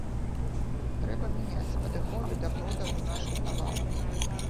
Трэба мяняць падыходы да продажу нашых тавараў.